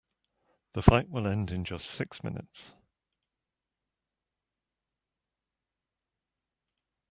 The fight will end in just six minutes.